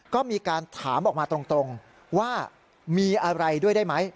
ก็มีการถามออกมาตรงว่ามีอะไรด้วยได้ไหม